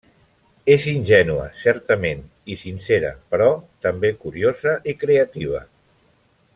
És ingènua, certament i sincera, però també curiosa i creativa.